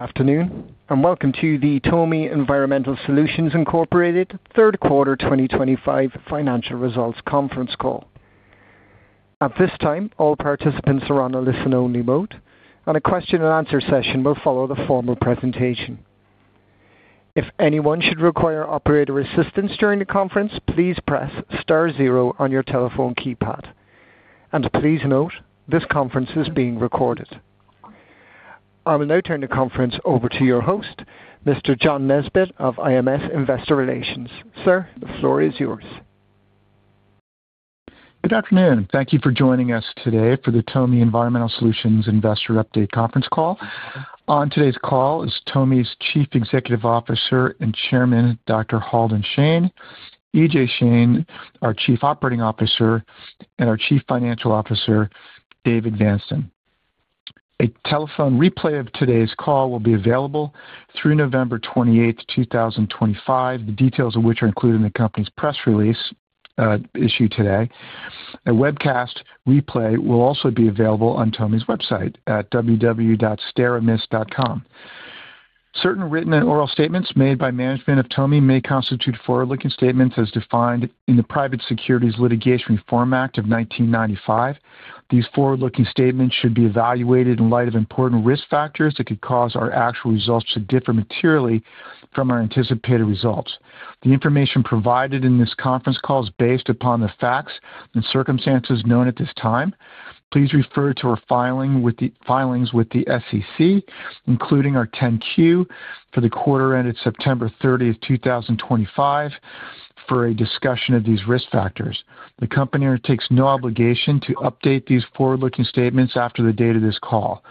Afternoon, and welcome to the TOMI Environmental Solutions third quarter 2025 financial results conference call. At this time, all participants are on a listen-only mode, and a question-and-answer session will follow the formal presentation. If anyone should require operator assistance during the conference, please press star zero on your telephone keypad. Please note, this conference is being recorded. I will now turn the conference over to your host, Mr. John Nesbett of IMS Investor Relations. Sir, the floor is yours. Good afternoon. Thank you for joining us today for the TOMI Environmental Solutions Investor Update Conference Call. On today's call is TOMI's Chief Executive Officer and Chairman, Dr. Halden Shane, E.J. Shane, our Chief Operating Officer, and our Chief Financial Officer, David Vanston. A telephone replay of today's call will be available through November 28th, 2025, the details of which are included in the company's press release issued today. A webcast replay will also be available on TOMI's website at www.steramist.com. Certain written and oral statements made by management of TOMI may constitute forward-looking statements as defined in the Private Securities Litigation Reform Act of 1995. These forward-looking statements should be evaluated in light of important risk factors that could cause our actual results to differ materially from our anticipated results. The information provided in this conference call is based upon the facts and circumstances known at this time. Please refer to our filings with the SEC, including our 10-Q for the quarter ended September 30, 2025, for a discussion of these risk factors. The company undertakes no obligation to update these forward-looking statements after the date of this call.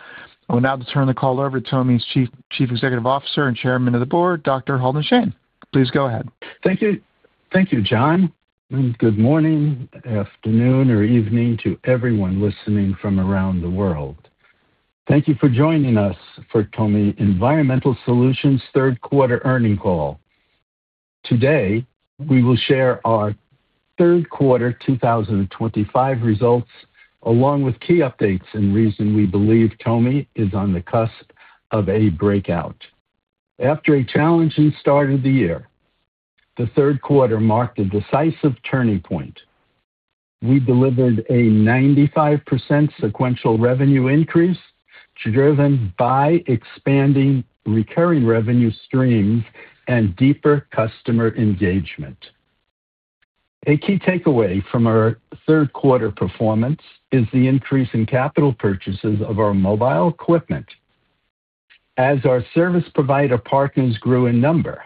I will now turn the call over to TOMI's Chief Executive Officer and Chairman of the Board, Dr. Halden Shane. Please go ahead. Thank you. Thank you, John. Good morning, afternoon, or evening to everyone listening from around the world. Thank you for joining us for TOMI Environmental Solutions Third Quarter Earnings Call. Today, we will share our Third Quarter 2025 results along with key updates and reason we believe TOMI is on the cusp of a breakout. After a challenging start of the year, the third quarter marked a decisive turning point. We delivered a 95% sequential revenue increase driven by expanding recurring revenue streams and deeper customer engagement. A key takeaway from our third quarter performance is the increase in capital purchases of our mobile equipment as our service provider partners grew in number.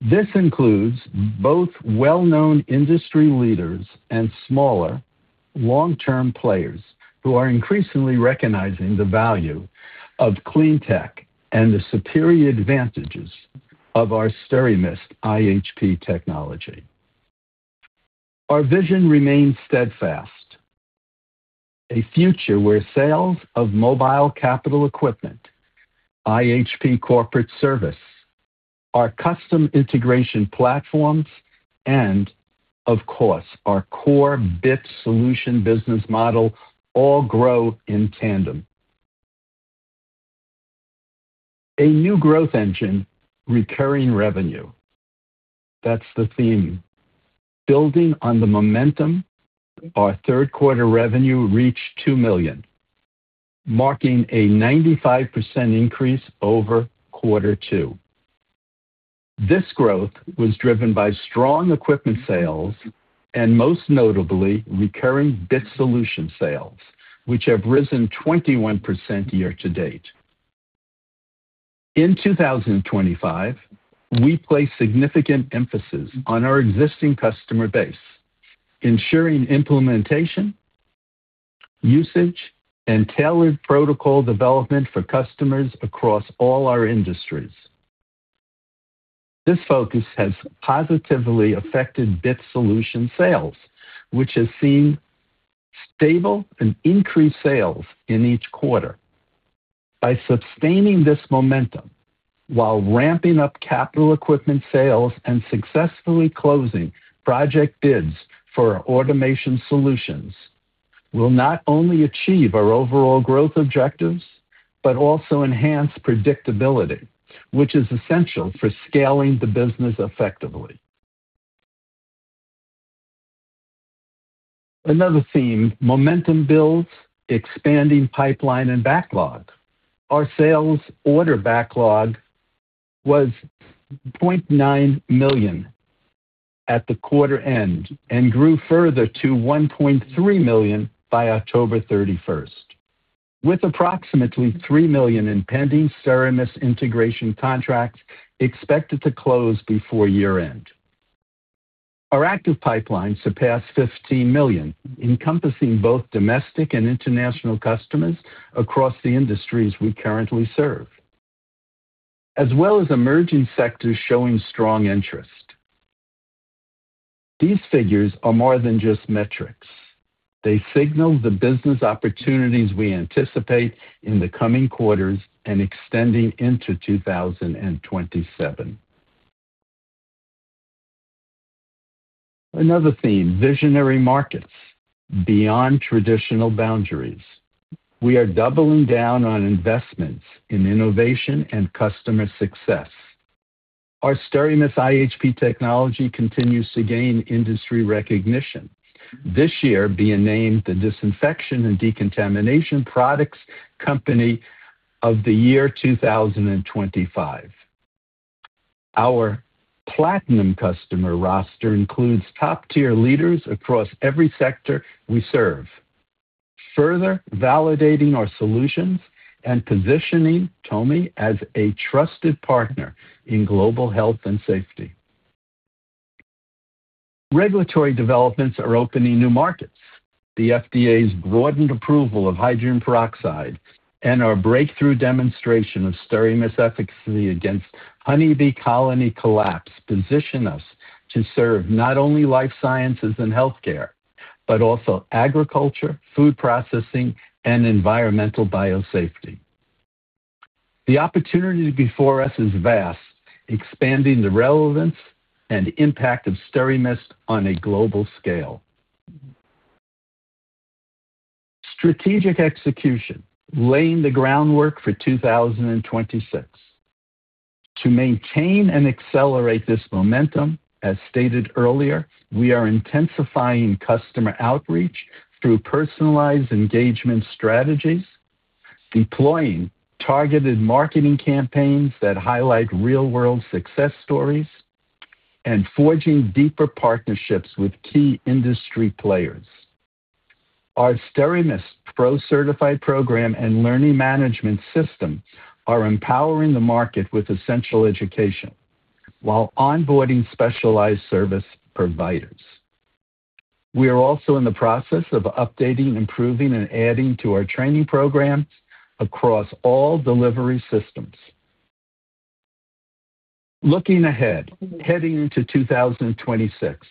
This includes both well-known industry leaders and smaller, long-term players who are increasingly recognizing the value of clean tech and the superior advantages of our SteraMist iHP technology. Our vision remains steadfast: a future where sales of mobile capital equipment, iHP corporate service, our custom integration platforms, and, of course, our core BIT solution business model all grow in tandem. A new growth engine, recurring revenue. That's the theme. Building on the momentum, our third quarter revenue reached $2 million, marking a 95% increase over Quarter Two. This growth was driven by strong equipment sales and, most notably, recurring BIT solution sales, which have risen 21% year to date. In 2025, we place significant emphasis on our existing customer base, ensuring implementation, usage, and tailored protocol development for customers across all our industries. This focus has positively affected BIT Solution sales, which has seen stable and increased sales in each quarter. By sustaining this momentum while ramping up capital equipment sales and successfully closing project bids for automation solutions, we'll not only achieve our overall growth objectives but also enhance predictability, which is essential for scaling the business effectively. Another theme: momentum builds, expanding pipeline and backlog. Our sales order backlog was $0.9 million at the quarter end and grew further to $1.3 million by October 31, with approximately $3 million in pending SteraMist integration contracts expected to close before year-end. Our active pipeline surpassed $15 million, encompassing both domestic and international customers across the industries we currently serve, as well as emerging sectors showing strong interest. These figures are more than just metrics. They signal the business opportunities we anticipate in the coming quarters and extending into 2027. Another theme: visionary markets beyond traditional boundaries. We are doubling down on investments in innovation and customer success. Our SteraMist iHP technology continues to gain industry recognition, this year being named the Disinfection and Decontamination Products Company of the Year 2025. Our Platinum Customer roster includes top-tier leaders across every sector we serve, further validating our solutions and positioning TOMI as a trusted partner in global health and safety. Regulatory developments are opening new markets. The FDA's broadened approval of hydrogen peroxide and our breakthrough demonstration of SteraMist efficacy against honeybee colony collapse position us to serve not only life sciences and healthcare but also agriculture, food processing, and environmental biosafety. The opportunity before us is vast, expanding the relevance and impact of SteraMist on a global scale. Strategic execution: laying the groundwork for 2026. To maintain and accelerate this momentum, as stated earlier, we are intensifying customer outreach through personalized engagement strategies, deploying targeted marketing campaigns that highlight real-world success stories, and forging deeper partnerships with key industry players. Our SteraMist Pro-Certified Program and Learning Management System are empowering the market with essential education while onboarding specialized service providers. We are also in the process of updating, improving, and adding to our training programs across all delivery systems. Looking ahead, heading into 2026,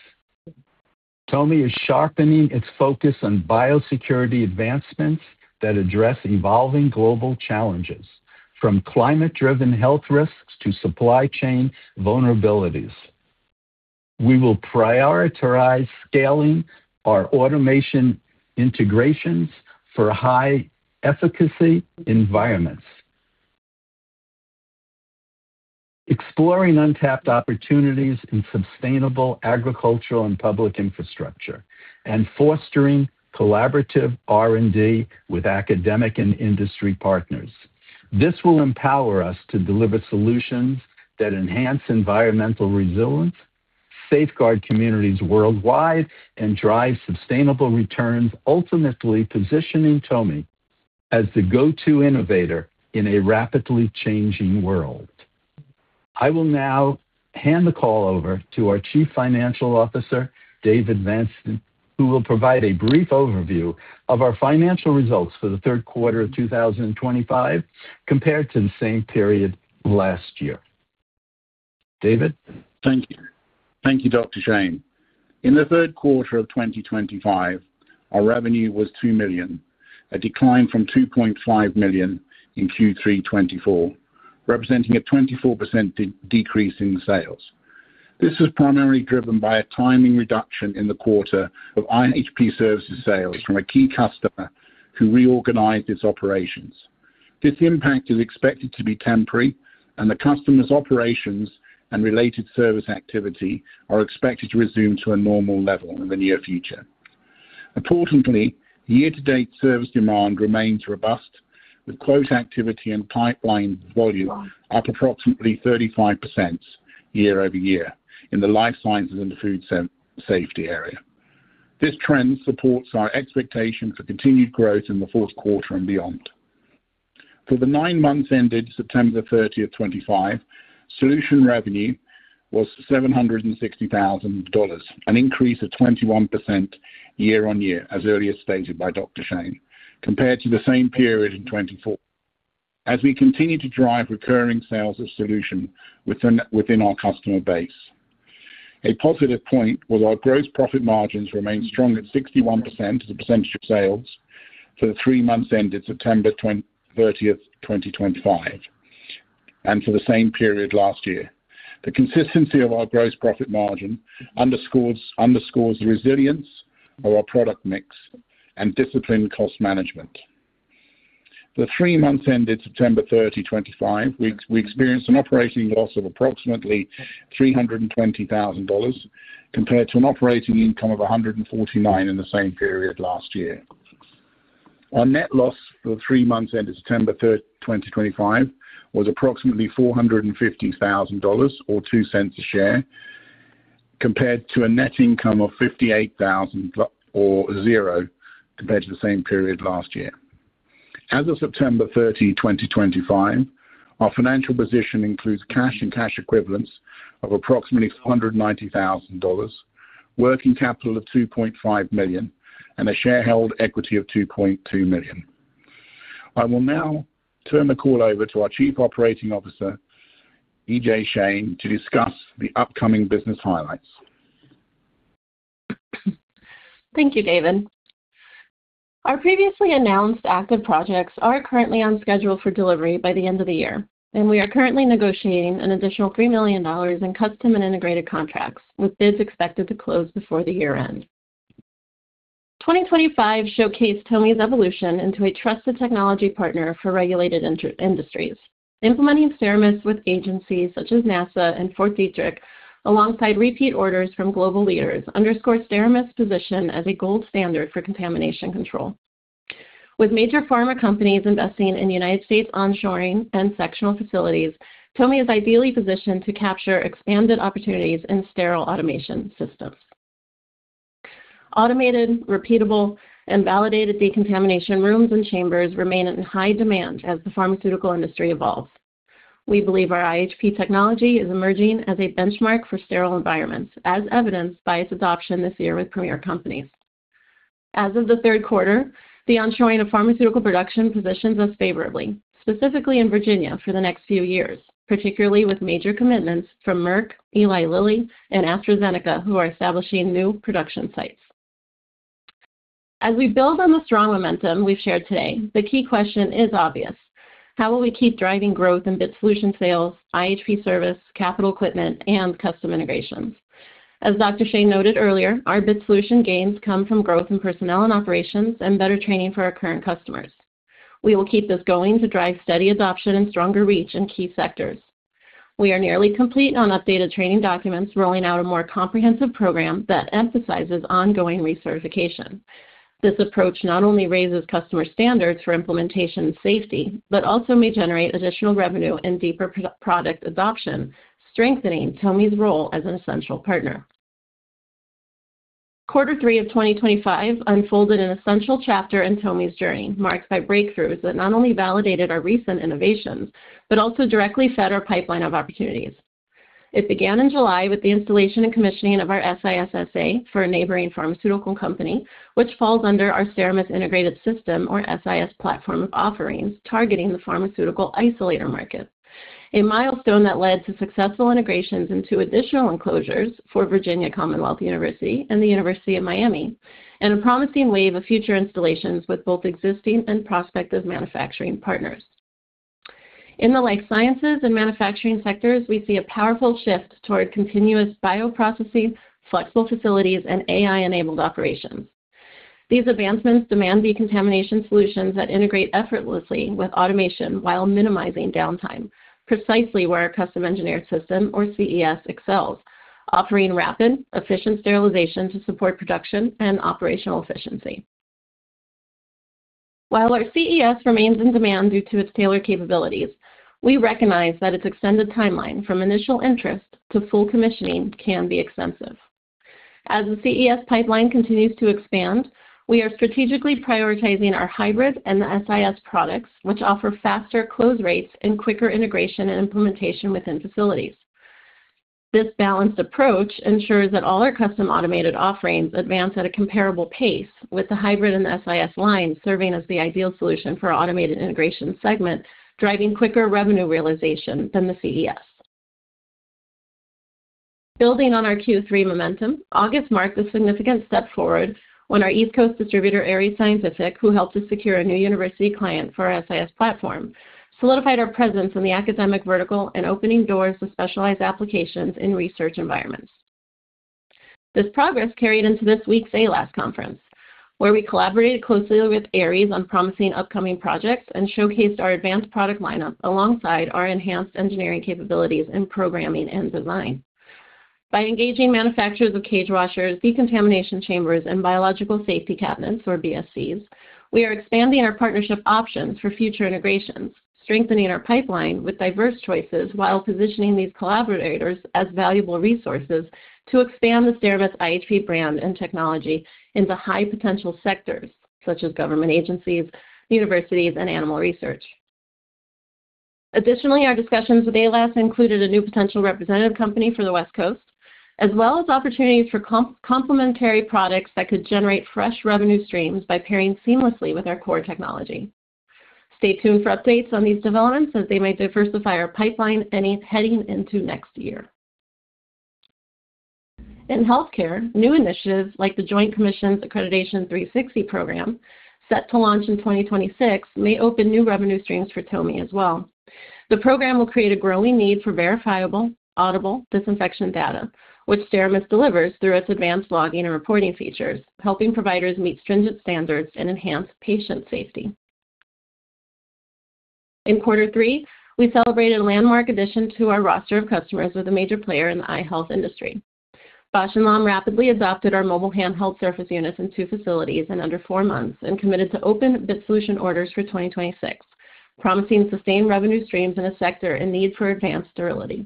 TOMI is sharpening its focus on biosecurity advancements that address evolving global challenges, from climate-driven health risks to supply chain vulnerabilities. We will prioritize scaling our automation integrations for high-efficacy environments, exploring untapped opportunities in sustainable agricultural and public infrastructure, and fostering collaborative R&D with academic and industry partners. This will empower us to deliver solutions that enhance environmental resilience, safeguard communities worldwide, and drive sustainable returns, ultimately positioning TOMI as the go-to innovator in a rapidly changing world. I will now hand the call over to our Chief Financial Officer, David Vanston, who will provide a brief overview of our financial results for the third quarter of 2025 compared to the same period last year. David? Thank you. Thank you, Dr. Shane. In the third quarter of 2025, our revenue was $2 million, a decline from $2.5 million in Q3 2024, representing a 24% decrease in sales. This was primarily driven by a timing reduction in the quarter of iHP services sales from a key customer who reorganized its operations. This impact is expected to be temporary, and the customer's operations and related service activity are expected to resume to a normal level in the near future. Importantly, year-to-date service demand remains robust, with quote activity and pipeline volume up approximately 35% year-over-year in the life sciences and the food safety area. This trend supports our expectation for continued growth in the fourth quarter and beyond. For the nine months ended September 30, 2025, solution revenue was $760,000, an increase of 21% year-on-year, as earlier stated by Dr. Shane, compared to the same period in 2024, as we continue to drive recurring sales of solution within our customer base. A positive point was our gross profit margins remained strong at 61% as a percentage of sales for the three months ended September 30th, 2025, and for the same period last year. The consistency of our gross profit margin underscores the resilience of our product mix and disciplined cost management. The three months ended September 30, 2025, we experienced an operating loss of approximately $320,000 compared to an operating income of $149 in the same period last year. Our net loss for the three months ended September 30, 2025, was approximately $450,000 or $0.02 a share, compared to a net income of $58,000 or zero compared to the same period last year. As of September 30, 2025, our financial position includes cash and cash equivalents of approximately $490,000, working capital of $2.5 million, and shareholder equity of $2.2 million. I will now turn the call over to our Chief Operating Officer, E.J. Shane, to discuss the upcoming business highlights. Thank you, David. Our previously announced active projects are currently on schedule for delivery by the end of the year, and we are currently negotiating an additional $3 million in custom and integrated contracts, with bids expected to close before the year-end. 2025 showcased TOMI's evolution into a trusted technology partner for regulated industries. Implementing SteraMist with agencies such as NASA and Fort Detrick, alongside repeat orders from global leaders, underscores SteraMist's position as a gold standard for contamination control. With major pharma companies investing in United States onshoring and sectional facilities, TOMI is ideally positioned to capture expanded opportunities in sterile automation systems. Automated, repeatable, and validated decontamination rooms and chambers remain in high demand as the pharmaceutical industry evolves. We believe our iHP technology is emerging as a benchmark for sterile environments, as evidenced by its adoption this year with premier companies. As of the third quarter, the onshoring of pharmaceutical production positions us favorably, specifically in Virginia for the next few years, particularly with major commitments from Merck, Eli Lilly, and AstraZeneca, who are establishing new production sites. As we build on the strong momentum we've shared today, the key question is obvious: how will we keep driving growth in BIT Solution sales, iHP service, capital equipment, and custom integrations? As Dr. Shane noted earlier, our BIT Solution gains come from growth in personnel and operations and better training for our current customers. We will keep this going to drive steady adoption and stronger reach in key sectors. We are nearly complete on updated training documents, rolling out a more comprehensive program that emphasizes ongoing recertification. This approach not only raises customer standards for implementation and safety but also may generate additional revenue and deeper product adoption, strengthening TOMI's role as an essential partner. Quarter three of 2025 unfolded an essential chapter in TOMI's journey, marked by breakthroughs that not only validated our recent innovations but also directly fed our pipeline of opportunities. It began in July with the installation and commissioning of our SIS-SA for a neighboring pharmaceutical company, which falls under our SteraMist Integrated System, or SIS, platform of offerings targeting the pharmaceutical isolator market. A milestone that led to successful integrations into additional enclosures for Virginia Commonwealth University and the University of Miami, and a promising wave of future installations with both existing and prospective manufacturing partners. In the life sciences and manufacturing sectors, we see a powerful shift toward continuous bioprocessing, flexible facilities, and AI-enabled operations. These advancements demand decontamination solutions that integrate effortlessly with automation while minimizing downtime, precisely where our Custom Engineered System, or CES, excels, offering rapid, efficient sterilization to support production and operational efficiency. While our CES remains in demand due to its tailored capabilities, we recognize that its extended timeline from initial interest to full commissioning can be extensive. As the CES pipeline continues to expand, we are strategically prioritizing our hybrid and the SIS products, which offer faster close rates and quicker integration and implementation within facilities. This balanced approach ensures that all our custom automated offerings advance at a comparable pace, with the hybrid and the SIS line serving as the ideal solution for our automated integration segment, driving quicker revenue realization than the CES. Building on our Q3 momentum, August marked a significant step forward when our East Coast distributor, ARES Scientific, who helped us secure a new university client for our SIS platform, solidified our presence in the academic vertical and opened doors to specialized applications in research environments. This progress carried into this week's AALAS Conference, where we collaborated closely with Arie Scientific on promising upcoming projects and showcased our advanced product lineup alongside our enhanced engineering capabilities in programming and design. By engaging manufacturers of cage washers, decontamination chambers, and biological safety cabinets, or BSCs, we are expanding our partnership options for future integrations, strengthening our pipeline with diverse choices while positioning these collaborators as valuable resources to expand the SteraMist iHP brand and technology into high-potential sectors such as government agencies, universities, and animal research. Additionally, our discussions with AALAS included a new potential representative company for the West Coast, as well as opportunities for complementary products that could generate fresh revenue streams by pairing seamlessly with our core technology. Stay tuned for updates on these developments as they might diversify our pipeline heading into next year. In healthcare, new initiatives like the Joint Commission's Accreditation 360 Program, set to launch in 2026, may open new revenue streams for TOMI as well. The program will create a growing need for verifiable, audible disinfection data, which SteraMist delivers through its advanced logging and reporting features, helping providers meet stringent standards and enhance patient safety. In Quarter Three, we celebrated a landmark addition to our roster of customers with a major player in the eye health industry. Bausch + Lomb rapidly adopted our mobile handheld surface units in two facilities in under four months and committed to open BIT Solution orders for 2026, promising sustained revenue streams in a sector in need for advanced sterility.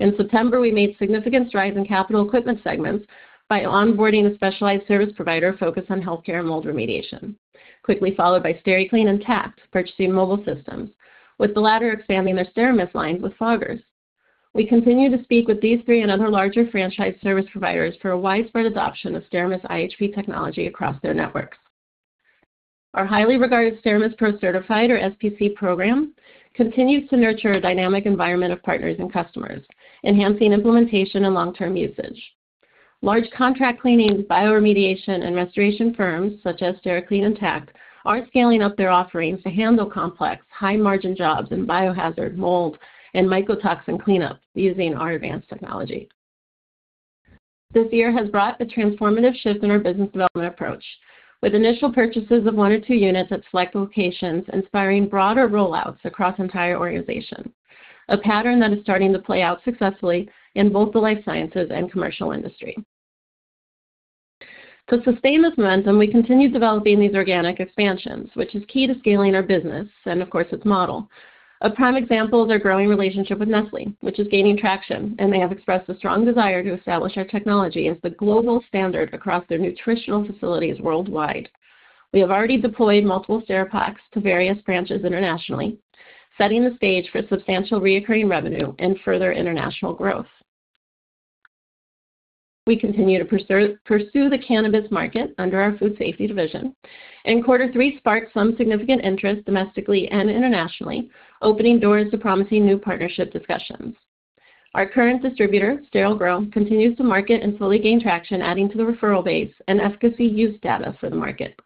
In September, we made significant strides in capital equipment segments by onboarding a specialized service provider focused on healthcare and mold remediation, quickly followed by Steri-Clean and Tapt purchasing mobile systems, with the latter expanding their SteraMist line with foggers. We continue to speak with these three and other larger franchise service providers for a widespread adoption of SteraMist iHP technology across their networks. Our highly regarded SteraMist Pro-Certified, or SPC, program continues to nurture a dynamic environment of partners and customers, enhancing implementation and long-term usage. Large contract cleanings, bioremediation, and restoration firms such as Steri-Clean and Tapt are scaling up their offerings to handle complex, high-margin jobs in biohazard mold and mycotoxin cleanup using our advanced technology. This year has brought a transformative shift in our business development approach, with initial purchases of one or two units at select locations inspiring broader rollouts across the entire organization, a pattern that is starting to play out successfully in both the life sciences and commercial industry. To sustain this momentum, we continue developing these organic expansions, which is key to scaling our business and, of course, its model. A prime example is our growing relationship with Nestlé, which is gaining traction, and they have expressed a strong desire to establish our technology as the global standard across their nutritional facilities worldwide. We have already deployed multiple SteraPaks to various branches internationally, setting the stage for substantial recurring revenue and further international growth. We continue to pursue the cannabis market under our Food Safety Division, and quarter three sparked some significant interest domestically and internationally, opening doors to promising new partnership discussions. Our current distributor, SteroGrow, continues to market and slowly gain traction, adding to the referral base and efficacy use data for the market.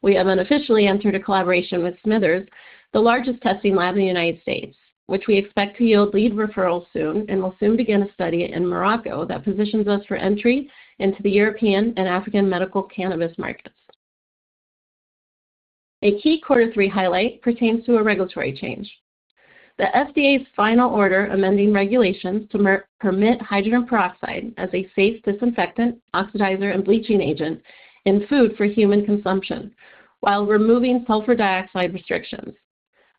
We have unofficially entered a collaboration with Smithers, the largest testing lab in the United States, which we expect to yield lead referrals soon and will soon begin a study in Morocco that positions us for entry into the European and African medical cannabis markets. A key quarter three highlight pertains to a regulatory change. The FDA's final order amending regulations to permit hydrogen peroxide as a safe disinfectant, oxidizer, and bleaching agent in food for human consumption while removing sulfur dioxide restrictions.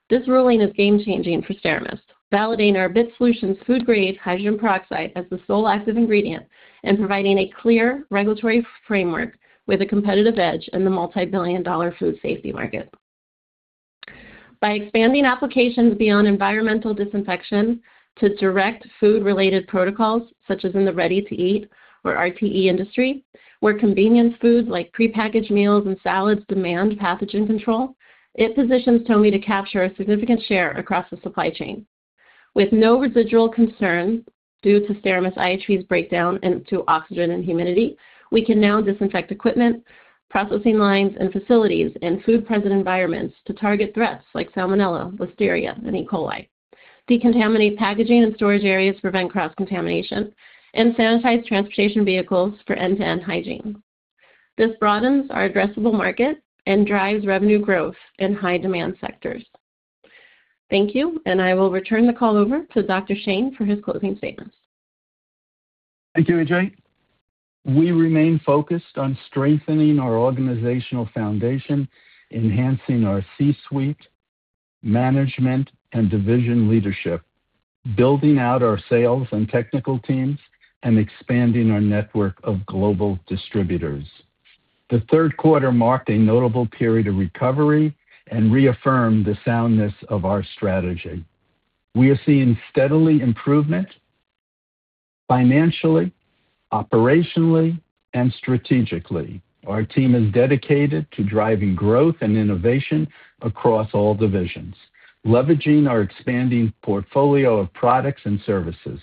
This ruling is game-changing for SteraMist, validating our BIT Solution's food-grade hydrogen peroxide as the sole active ingredient and providing a clear regulatory framework with a competitive edge in the multi-billion-dollar food safety market. By expanding applications beyond environmental disinfection to direct food-related protocols, such as in the ready-to-eat or RTE industry, where convenience foods like pre-packaged meals and salads demand pathogen control, it positions TOMI to capture a significant share across the supply chain. With no residual concern due to SteraMist iHP's breakdown into oxygen and humidity, we can now disinfect equipment, processing lines, and facilities in food-printed environments to target threats like salmonella, listeria, and E. coli, decontaminate packaging and storage areas to prevent cross-contamination, and sanitize transportation vehicles for end-to-end hygiene. This broadens our addressable market and drives revenue growth in high-demand sectors. Thank you, and I will return the call over to Dr. Shane for his closing statements. Thank you, E.J. We remain focused on strengthening our organizational foundation, enhancing our C-suite management and division leadership, building out our sales and technical teams, and expanding our network of global distributors. The third quarter marked a notable period of recovery and reaffirmed the soundness of our strategy. We are seeing steady improvement financially, operationally, and strategically. Our team is dedicated to driving growth and innovation across all divisions, leveraging our expanding portfolio of products and services.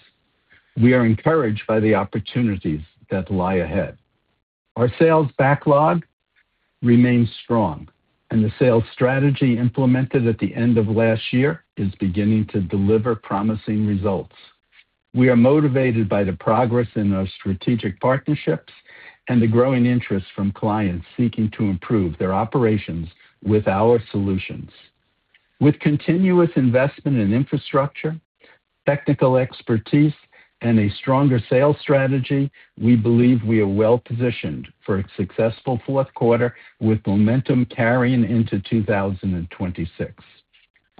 We are encouraged by the opportunities that lie ahead. Our sales backlog remains strong, and the sales strategy implemented at the end of last year is beginning to deliver promising results. We are motivated by the progress in our strategic partnerships and the growing interest from clients seeking to improve their operations with our solutions. With continuous investment in infrastructure, technical expertise, and a stronger sales strategy, we believe we are well-positioned for a successful fourth quarter with momentum carrying into 2026.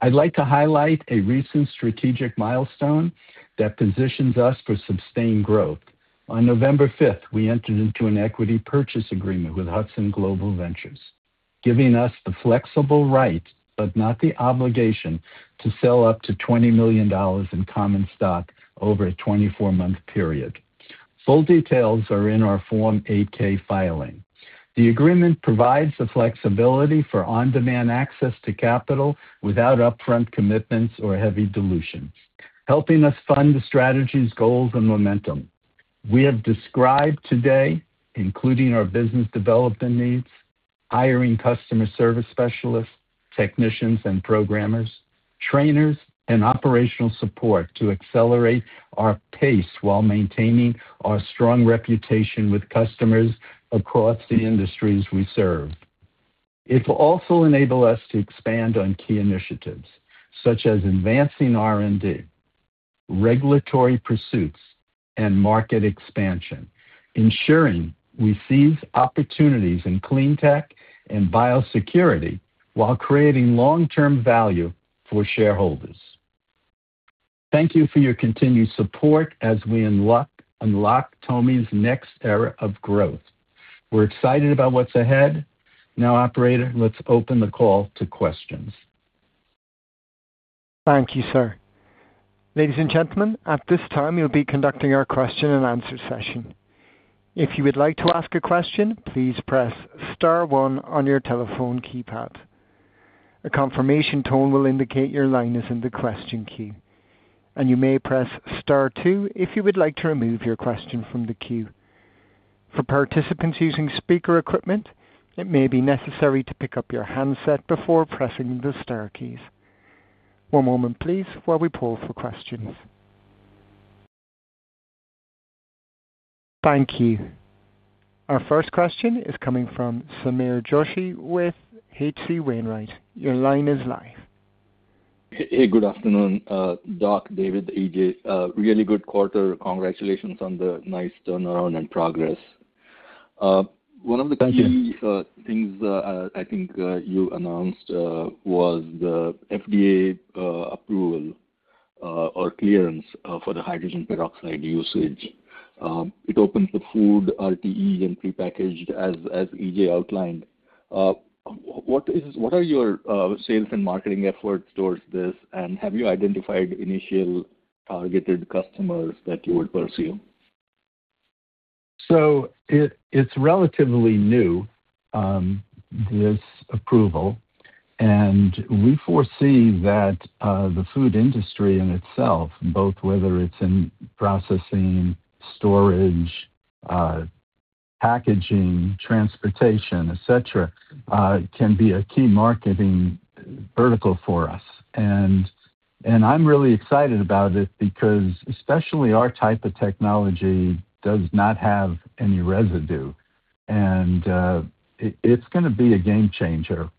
I'd like to highlight a recent strategic milestone that positions us for sustained growth. On November 5th, we entered into an equity purchase agreement with Hudson Global Ventures, giving us the flexible right but not the obligation to sell up to $20 million in common stock over a 24-month period. Full details are in our Form 8-K filing. The agreement provides the flexibility for on-demand access to capital without upfront commitments or heavy dilution, helping us fund the strategy's goals and momentum. We have described today, including our business development needs, hiring customer service specialists, technicians, and programmers, trainers, and operational support to accelerate our pace while maintaining our strong reputation with customers across the industries we serve. It will also enable us to expand on key initiatives such as advancing R&D, regulatory pursuits, and market expansion, ensuring we seize opportunities in clean tech and biosecurity while creating long-term value for shareholders. Thank you for your continued support as we unlock TOMI's next era of growth. We're excited about what's ahead. Now, Operator, let's open the call to questions. Thank you, sir. Ladies and gentlemen, at this time, you will be conducting our question-and-answer session. If you would like to ask a question, please press Star one on your telephone keypad. A confirmation tone will indicate your line is in the question queue, and you may press Star two if you would like to remove your question from the queue. For participants using speaker equipment, it may be necessary to pick up your handset before pressing the star keys. One moment, please, while we pull for questions. Thank you. Our first question is coming from Sameer Joshi with HC Wainwright. Your line is live. Hey, good afternoon, Doc, David, E.J. Really good quarter. Congratulations on the nice turnaround and progress. One of the key things I think you announced was the FDA approval or clearance for the hydrogen peroxide usage. It opens the food RTE and pre-packaged, as E.J. outlined. What are your sales and marketing efforts towards this, and have you identified initial targeted customers that you would pursue? It is relatively new, this approval, and we foresee that the food industry in itself, both whether it is in processing, storage, packaging, transportation, etc., can be a key marketing vertical for us. I am really excited about it because especially our type of technology does not have any residue, and it is going to be a game changer.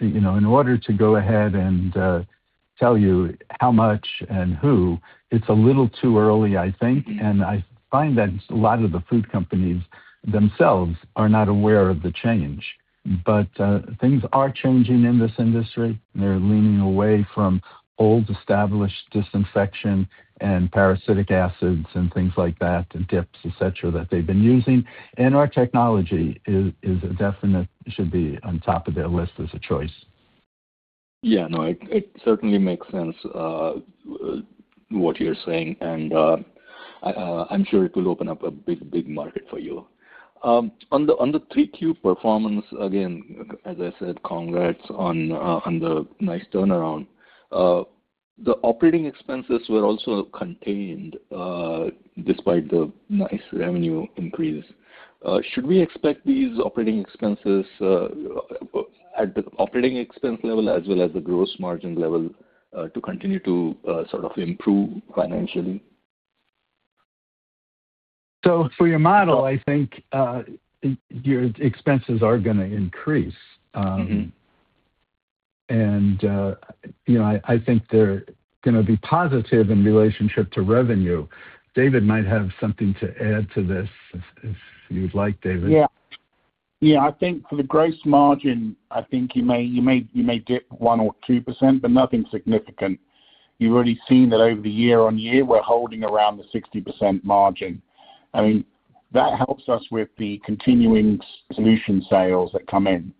In order to go ahead and tell you how much and who, it is a little too early, I think, and I find that a lot of the food companies themselves are not aware of the change. Things are changing in this industry. They are leaning away from old established disinfection and parasitic acids and things like that, and dips, etc., that they have been using. Our technology should be on top of their list as a choice. Yeah, no, it certainly makes sense what you're saying, and I'm sure it will open up a big, big market for you. On the 3Q performance, again, as I said, congrats on the nice turnaround. The operating expenses were also contained despite the nice revenue increase. Should we expect these operating expenses at the operating expense level as well as the gross margin level to continue to sort of improve financially? For your model, I think your expenses are going to increase, and I think they're going to be positive in relationship to revenue. David might have something to add to this if you'd like, David. Yeah. Yeah, I think for the gross margin, I think you may dip 1% or 2%, but nothing significant. You've already seen that over the year-on-year, we're holding around the 60% margin. I mean, that helps us with the continuing solution sales that come in.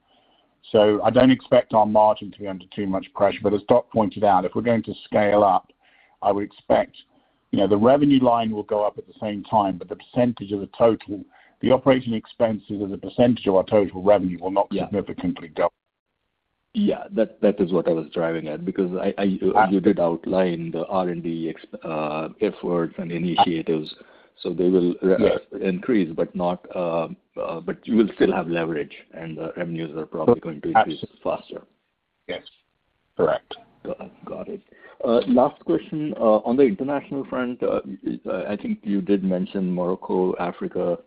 I don't expect our margin to be under too much pressure, but as Doc pointed out, if we're going to scale up, I would expect the revenue line will go up at the same time, but the percentage of the total, the operating expenses as a percentage of our total revenue will not significantly go up. Yeah, that is what I was driving at because you did outline the R&D efforts and initiatives. So they will increase, but you will still have leverage, and the revenues are probably going to increase faster. Yes. Correct. Got it. Last question. On the international front, I think you did mention Morocco, Africa.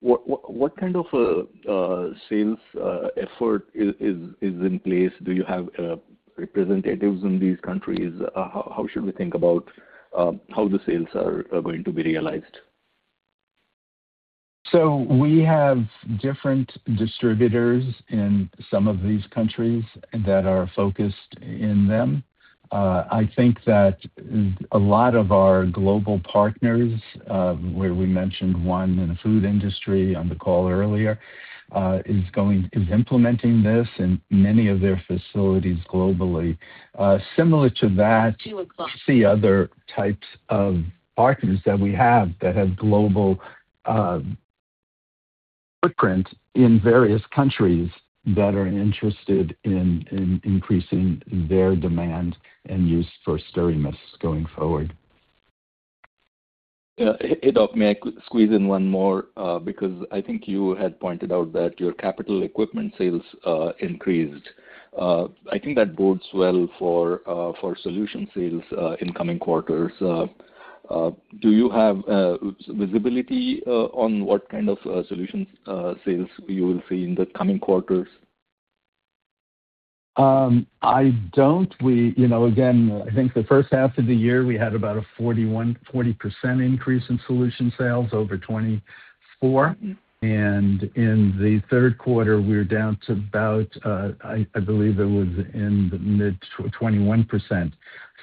What kind of sales effort is in place? Do you have representatives in these countries? How should we think about how the sales are going to be realized? We have different distributors in some of these countries that are focused in them. I think that a lot of our global partners, where we mentioned one in the food industry on the call earlier, is implementing this in many of their facilities globally. Similar to that, you see other types of partners that we have that have global footprints in various countries that are interested in increasing their demand and use for SteraMist going forward. Hey, Doc, may I squeeze in one more? Because I think you had pointed out that your capital equipment sales increased. I think that bodes well for solution sales in coming quarters. Do you have visibility on what kind of solution sales you will see in the coming quarters? I don't. Again, I think the first half of the year, we had about a 40% increase in solution sales over 2024. In the third quarter, we're down to about, I believe it was in the mid-21%.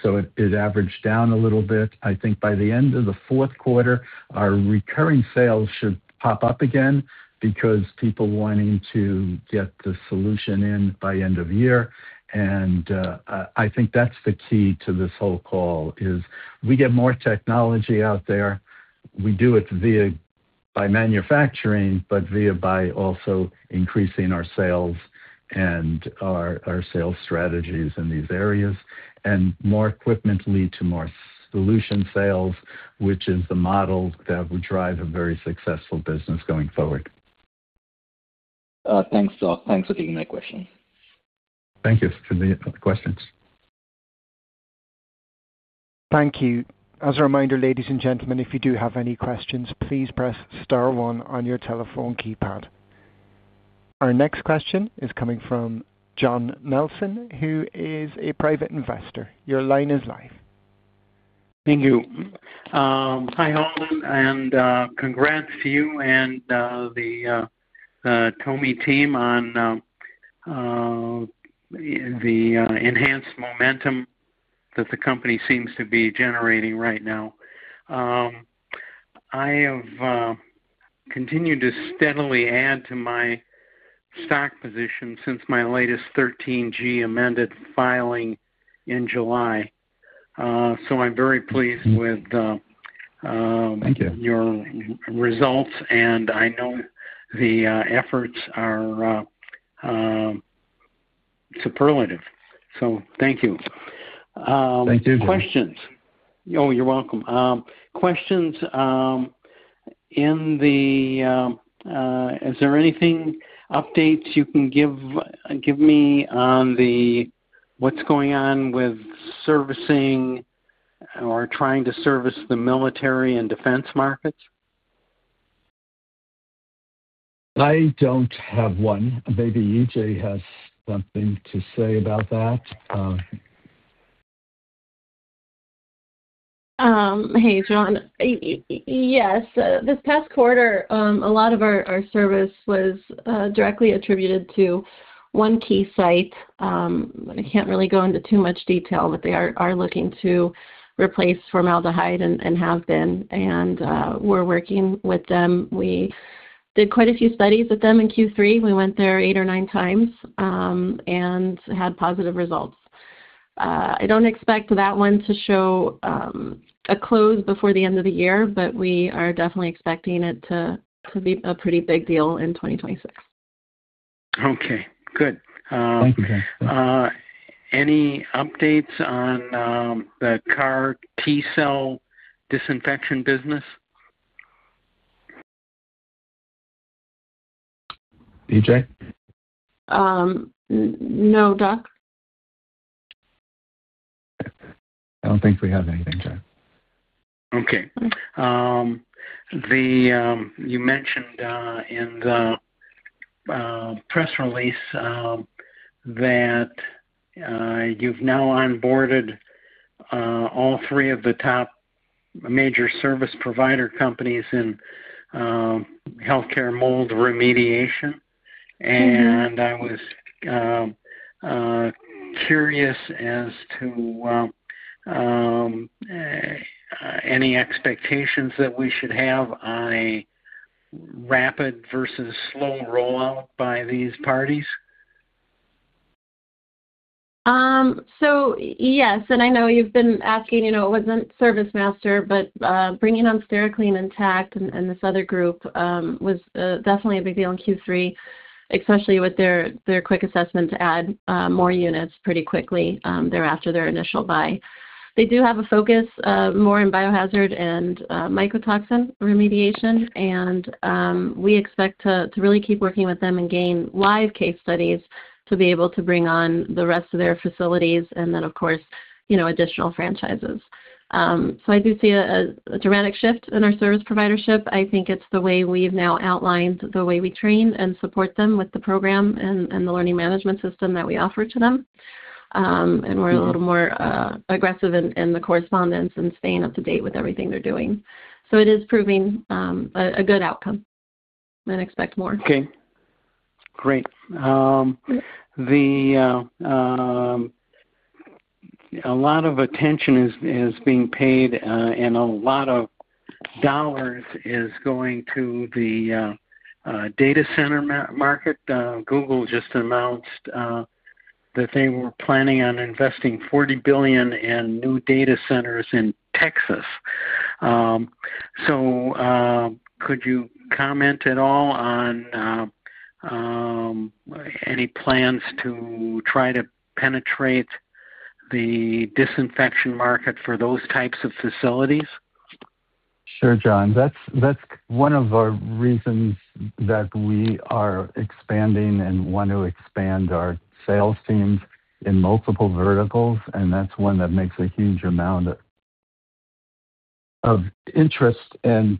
It averaged down a little bit. I think by the end of the fourth quarter, our recurring sales should pop up again because people wanting to get the solution in by end of year. I think that's the key to this whole call, is we get more technology out there. We do it via manufacturing, but via also increasing our sales and our sales strategies in these areas. More equipment lead to more solution sales, which is the model that would drive a very successful business going forward. Thanks, Doc. Thanks for taking my questions. Thank you for the questions. Thank you. As a reminder, ladies and gentlemen, if you do have any questions, please press Star one on your telephone keypad. Our next question is coming from John Nelson, who is a private investor. Your line is live. Thank you. Hi, Halden, and congrats to you and the TOMI team on the enhanced momentum that the company seems to be generating right now. I have continued to steadily add to my stock position since my latest 13G amended filing in July. I am very pleased with your results, and I know the efforts are superlative. Thank you. Thank you. Questions. Oh, you're welcome. Questions. Is there anything, updates you can give me on what's going on with servicing or trying to service the military and defense markets? I don't have one. Maybe E.J. has something to say about that. Hey, John. Yes. This past quarter, a lot of our service was directly attributed to one key site. I can't really go into too much detail, but they are looking to replace formaldehyde and have been, and we're working with them. We did quite a few studies with them in Q3. We went there eight or nine times and had positive results. I don't expect that one to show a close before the end of the year, but we are definitely expecting it to be a pretty big deal in 2026. Okay. Good. Thank you, sir. Any updates on the CAR T-cell disinfection business? E.J.? No, Doc. I don't think we have anything, John. Okay. You mentioned in the press release that you've now onboarded all three of the top major service provider companies in healthcare mold remediation. I was curious as to any expectations that we should have on a rapid versus slow rollout by these parties. Yes. And I know you've been asking, wasn't ServiceMaster, but bringing on Steri-Clean and Tapt and this other group was definitely a big deal in Q3, especially with their quick assessment to add more units pretty quickly thereafter their initial buy. They do have a focus more in biohazard and mycotoxin remediation, and we expect to really keep working with them and gain live case studies to be able to bring on the rest of their facilities and then, of course, additional franchises. I do see a dramatic shift in our service provider ship. I think it's the way we've now outlined the way we train and support them with the program and the Learning Management System that we offer to them. We're a little more aggressive in the correspondence and staying up to date with everything they're doing. It is proving a good outcome. I'd expect more. Okay. Great. A lot of attention is being paid, and a lot of dollars is going to the data center market. Google just announced that they were planning on investing $40 billion in new data centers in Texas. Could you comment at all on any plans to try to penetrate the disinfection market for those types of facilities? Sure, John. That's one of our reasons that we are expanding and want to expand our sales teams in multiple verticals, and that's one that makes a huge amount of interest and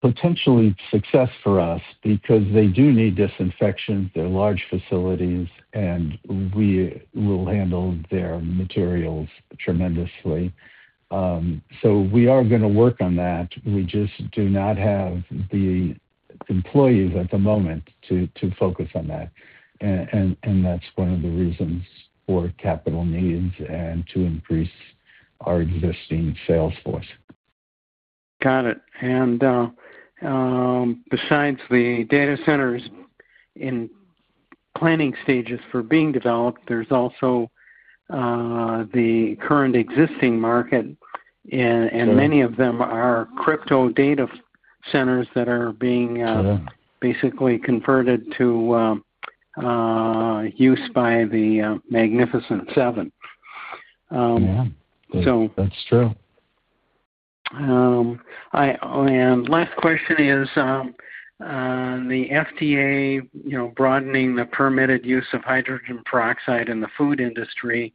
potentially success for us because they do need disinfection. They're large facilities, and we will handle their materials tremendously. We are going to work on that. We just do not have the employees at the moment to focus on that, and that's one of the reasons for capital needs and to increase our existing sales force. Got it. Besides the data centers in planning stages for being developed, there's also the current existing market, and many of them are crypto data centers that are being basically converted to use by the Magnificent Seven. Yeah. That's true. Last question is the FDA broadening the permitted use of hydrogen peroxide in the food industry.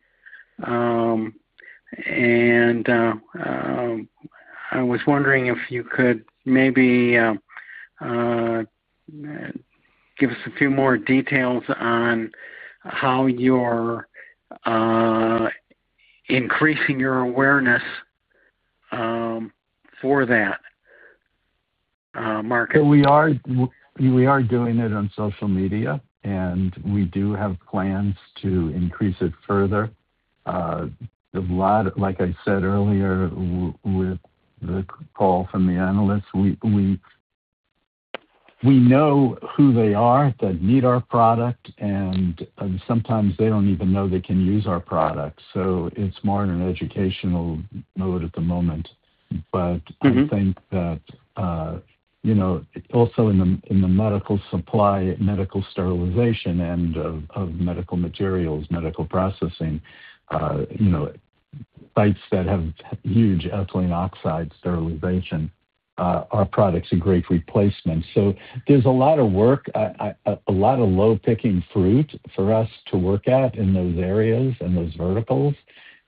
I was wondering if you could maybe give us a few more details on how you're increasing your awareness for that market. We are doing it on social media, and we do have plans to increase it further. Like I said earlier, with the call from the analysts, we know who they are that need our product, and sometimes they do not even know they can use our product. It is more of an educational note at the moment. I think that also in the medical supply, medical sterilization end of medical materials, medical processing, sites that have huge ethylene oxide sterilization, our products are great replacements. There is a lot of work, a lot of low-picking fruit for us to work at in those areas and those verticals.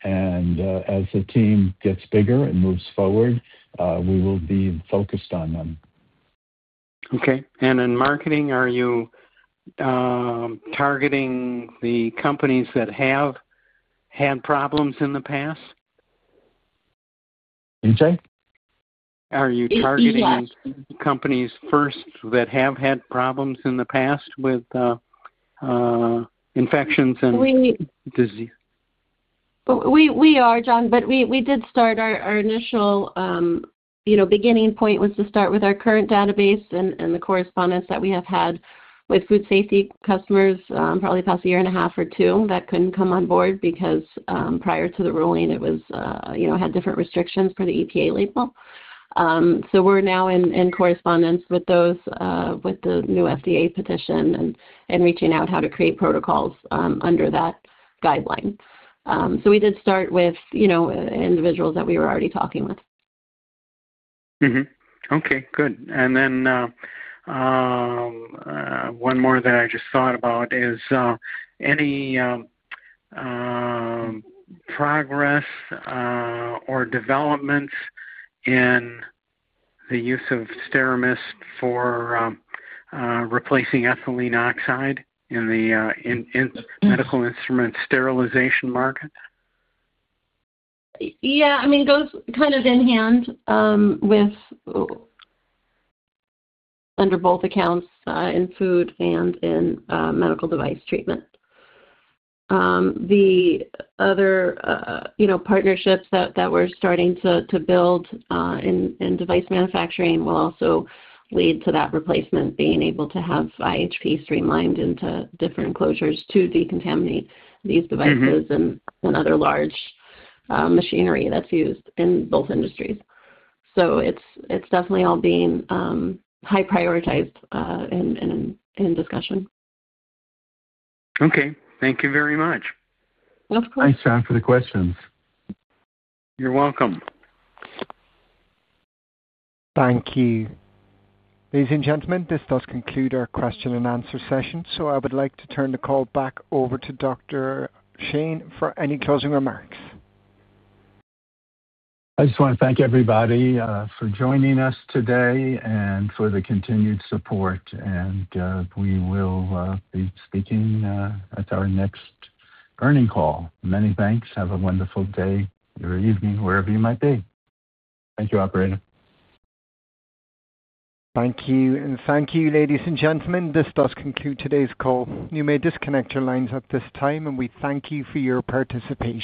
As the team gets bigger and moves forward, we will be focused on them. Okay. In marketing, are you targeting the companies that have had problems in the past? E.J. Are you targeting companies first that have had problems in the past with infections and disease? We are, John, but we did start our initial beginning point was to start with our current database and the correspondence that we have had with food safety customers probably the past year and a half or two that could not come on board because prior to the ruling, it had different restrictions for the EPA label. We are now in correspondence with those with the new FDA petition and reaching out how to create protocols under that guideline. We did start with individuals that we were already talking with. Okay. Good. And then one more that I just thought about is any progress or developments in the use of SteraMist for replacing ethylene oxide in the medical instrument sterilization market? Yeah. I mean, it goes kind of in hand with under both accounts in food and in medical device treatment. The other partnerships that we're starting to build in device manufacturing will also lead to that replacement, being able to have iHP streamlined into different closures to decontaminate these devices and other large machinery that's used in both industries. It is definitely all being high-prioritized and in discussion. Okay. Thank you very much. Of course. Thanks, John, for the questions. You're welcome. Thank you. Ladies and gentlemen, this does conclude our question and answer session. I would like to turn the call back over to Dr. Shane for any closing remarks. I just want to thank everybody for joining us today and for the continued support. We will be speaking at our next earning call. Many thanks. Have a wonderful day or evening, wherever you might be. Thank you, Operator. Thank you. Thank you, ladies and gentlemen. This does conclude today's call. You may disconnect your lines at this time, and we thank you for your participation.